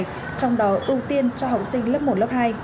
trong đó ưu tiên cho học sinh lớp một lớp hai